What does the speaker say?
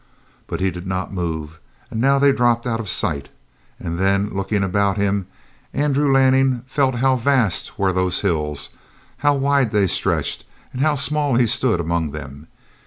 But he did not move, and now they dropped out of sight. And then, looking about him, Andrew Lanning felt how vast were those hills, how wide they stretched, and how small he stood among them.